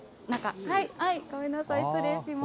中、ごめんなさい、失礼します。